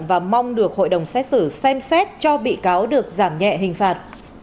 và mong được hội đồng xét xử xem xét cho bị cáo được giảm nhẹ hình phạt